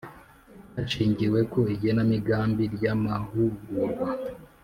hashingiwe ku igenamigambi ry amahugurwa